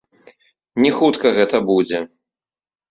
Не хутка гэта будзе.